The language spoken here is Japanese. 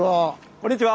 ・こんにちは！